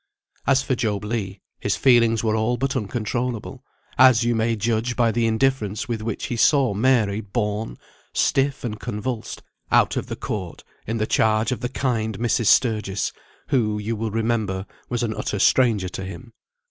As for Job Legh, his feelings were all but uncontrollable; as you may judge by the indifference with which he saw Mary borne, stiff and convulsed, out of the court, in the charge of the kind Mrs. Sturgis, who, you will remember, was an utter stranger to him.